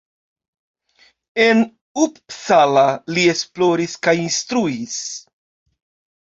En Uppsala li esploris kaj instruis.